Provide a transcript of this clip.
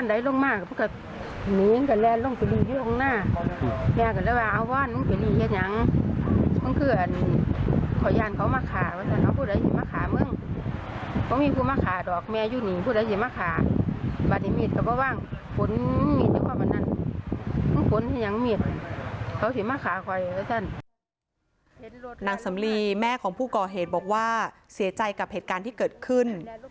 นางสำลีแม่ของผู้ก่อเหตุบอกว่าเสียใจกับเหตุการณ์ที่เกิดขึ้น